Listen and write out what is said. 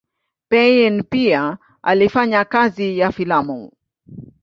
Payn pia alifanya kazi ya filamu.